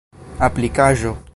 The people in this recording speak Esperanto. aplikaĵo